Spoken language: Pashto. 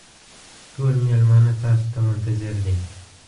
ټول مېلمانه تاسو ته منتظر دي.